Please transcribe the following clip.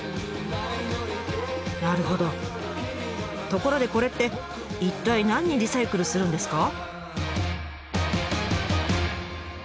ところでこれって一体何にリサイクルするんですか？